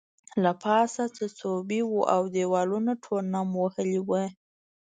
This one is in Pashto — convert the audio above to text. له پاسه څڅوبی وو او دیوالونه ټول نم وهلي وو